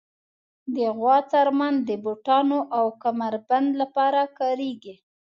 د غوا څرمن د بوټانو او کمر بند لپاره کارېږي.